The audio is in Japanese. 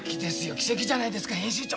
奇跡じゃないですか編集長。